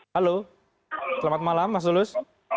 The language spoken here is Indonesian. halo selamat malam mas tulus